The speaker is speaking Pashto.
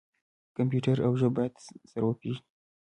کمپیوټر او ژبه باید سره وپیژني.